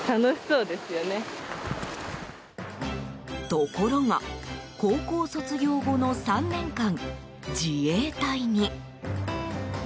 ところが高校卒業後の３年間、自衛隊に。